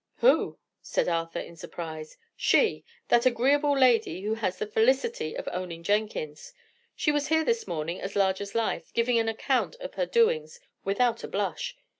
"Who?" said Arthur, in surprise. "She. That agreeable lady who has the felicity of owning Jenkins. She was here this morning as large as life, giving an account of her doings, without a blush.